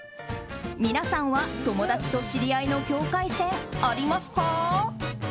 皆さんは友達と知り合いの境界線ありますか？